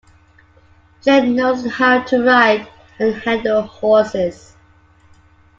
Jill knows how to ride and handle horses.